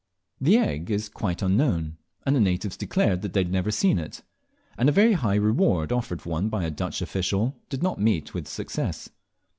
The egg is quite unknown, and the natives declared they had never seen it; and a very high reward offered for one by a Dutch official did not meet with success.